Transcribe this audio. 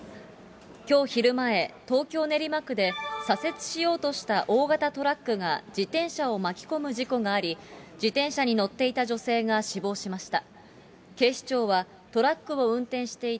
きょう昼前、東京・練馬区で、左折しようとした大型トラックが自転車を巻き込む事故があり、自転車に乗っていた女性が死亡しました。